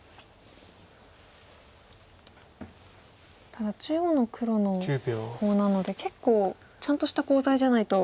ただ中央の黒のコウなので結構ちゃんとしたコウ材じゃないと。